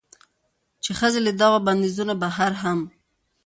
چې ښځې له دغو بندېزونو بهر هم